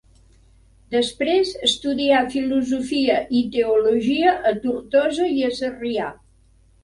Després estudià filosofia i teologia a Tortosa i a Sarrià.